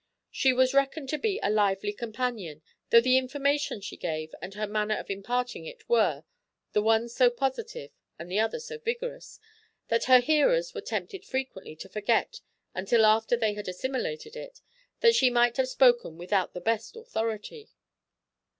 She was reckoned to be a lively companion, though the information she gave, and her manner of imparting it were, the one so positive and the other so vigorous, that her hearers were tempted frequently to forget, until after they had assimilated it, that she might have spoken without the best authority.